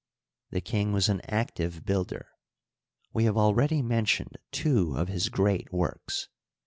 — The king was an active builder. We have already mentioned two of his great works.